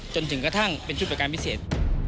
จนกระทั่งเป็นชุดประการพิเศษ